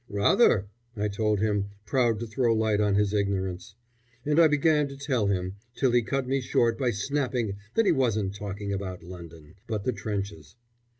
"Rather!" I told him, proud to throw light on his ignorance, and I began to tell him, till he cut me short by snapping that he wasn't talking about London, but the trenches.